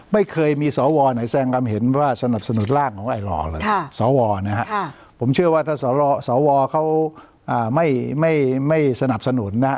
ไม่เคยมีสวไหนแสดงความเห็นว่าสนับสนุนร่างของไอหล่อหรอกสวนะฮะผมเชื่อว่าถ้าสวเขาไม่สนับสนุนนะ